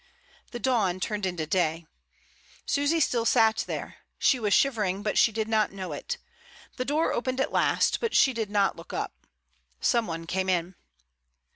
The dawn turned into day. Susy still sat there; she was shivering, but she did not know it; the door opened at last, but she did not look up; some one came in.